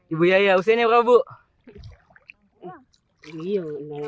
ibu yaya berapa usianya